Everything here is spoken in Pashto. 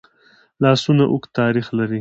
لاسونه اوږد تاریخ لري